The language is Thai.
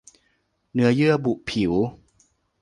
เนื้อเยื่อบุผิว